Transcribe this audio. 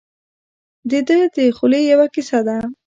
دده د خولې یوه کیسه ده.